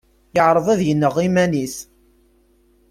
Yeεreḍ ad yenɣ iman-is.